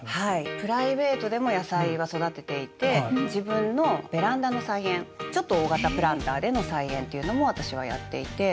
プライベートでも野菜は育てていて自分のベランダの菜園ちょっと大型プランターでの菜園っていうのも私はやっていて。